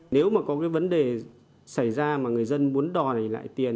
nếu mà có cái vấn đề xảy ra mà người dân muốn đòi lại tiền